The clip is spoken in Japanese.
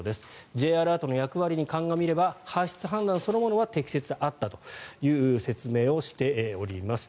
Ｊアラートの役割に鑑みれば発出判断そのものは適切であったという説明をしております。